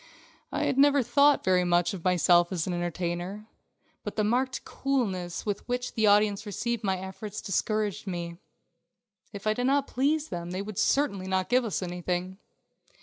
I had never thought very much of myself as an entertainer, but the marked coolness with which the audience received my efforts discouraged me. If I did not please them they would certainly not give us anything.